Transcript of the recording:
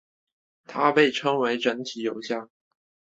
这也被称为整体油箱。